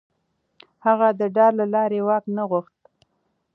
هغه د ډار له لارې واک نه غوښت.